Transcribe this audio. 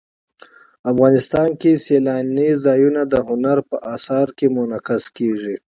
افغانستان کې سیلانی ځایونه د هنر په اثار کې منعکس کېږي.